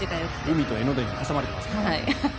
海と江ノ電に挟まれていますから。